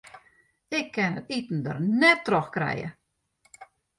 Ik kin it iten der net troch krije.